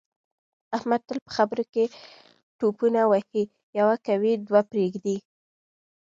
احمد تل په خبروکې ټوپونه وهي یوه کوي دوې پرېږدي.